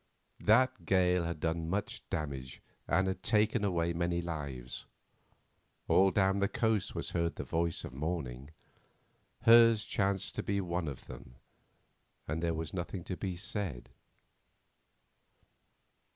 That gale had done much damage and taken away many lives—all down the coast was heard the voice of mourning; hers chanced to be one of them, and there was nothing to be said.